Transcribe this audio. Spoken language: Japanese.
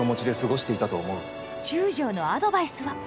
中将のアドバイスは。